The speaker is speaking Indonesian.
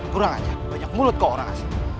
kurang aja banyak mulut ke orang asli